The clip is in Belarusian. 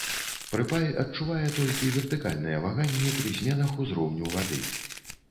Прыпай адчувае толькі вертыкальныя ваганні пры зменах узроўню вады.